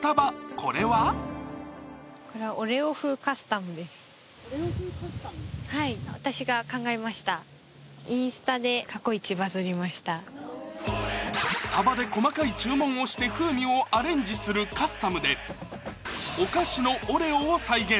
これはスタバで細かい注文をして風味をアレンジするカスタムでお菓子のオレオを再現！